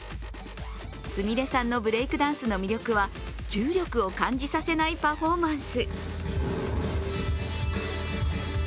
菫さんのブレイクダンスの魅力は重力を感じさせないパフォーマンス。